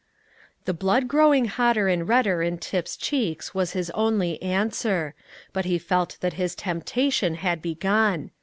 The blood growing hotter and redder in Tip's cheeks was his only answer; but he felt that his temptation had begun.